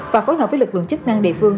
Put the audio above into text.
và phối hợp với lực lượng chức năng địa phương